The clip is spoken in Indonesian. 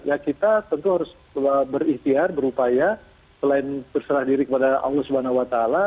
ya kita tentu harus berikhtiar berupaya selain berserah diri kepada allah swt